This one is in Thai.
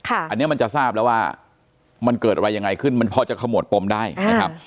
อันนี้มันจะทราบแล้วว่ามันเกิดอะไรยังไงขึ้นมันพอจะขมวดปมได้นะครับ